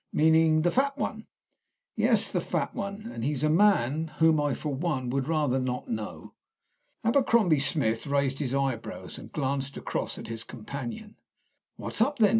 "Meaning the fat one?" "Yes, the fat one. And he's a man whom I, for one, would rather not know." Abercrombie Smith raised his eyebrows and glanced across at his companion. "What's up, then?"